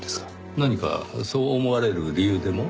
何かそう思われる理由でも？